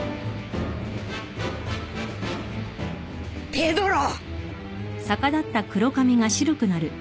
ペドロ！